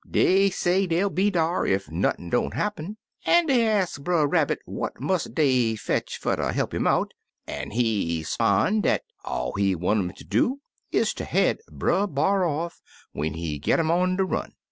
Dey say dey'd be dar, ef nothin' don't happen, an' dey ax Brer Rabbit what must dey fetch fer ter he'p 'im out, an' he 'spon' dat all he want um ter do is ter head Brer B'ar off when he git 'im on de run.